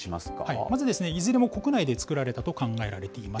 まずですね、いずれも国内で作られたと考えられています。